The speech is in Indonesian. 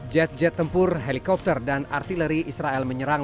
jet jet tempur helikopter dan artileri israel menyerang